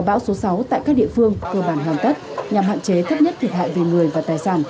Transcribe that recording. bão số sáu tại các địa phương cơ bản hoàn tất nhằm hạn chế thấp nhất thiệt hại về người và tài sản